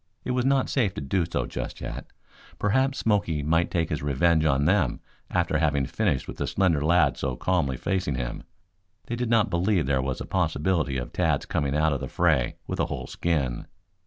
It was not safe to do so just yet. Perhaps Smoky might take his revenge on them after having finished with the slender lad so calmly facing him. They did not believe there was a possibility of Tad's coming out of the fray with a whole skin.